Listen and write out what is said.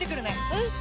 うん！